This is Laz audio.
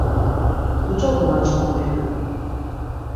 Muç̌o gomaç̌ǩondinen?